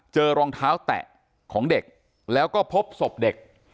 รองเท้าแตะของเด็กแล้วก็พบศพเด็ก